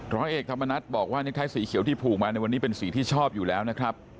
ร้อยเอกธรรมนัฏบอกว่าในไทยสีเขียวที่ผูกมาในวันนี้เป็นสีที่ชอบอยู่แล้วนะครับ